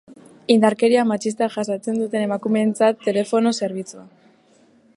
Indarkeria matxista jasaten duten emakumeentzat telefono zerbitzua.